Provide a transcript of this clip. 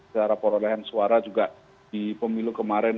secara perolehan suara juga di pemilu kemarin